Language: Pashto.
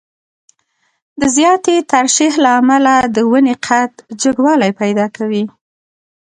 د زیاتې ترشح له امله د ونې قد جګوالی پیدا کوي.